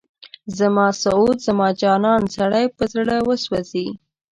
زما سعود، زما جانان، سړی په زړه وسوځي